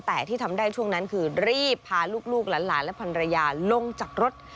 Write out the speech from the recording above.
แต่ที่ทำได้ช่วงนั้นคือรีบพาลูกหลานและพันรยาลงจากรถ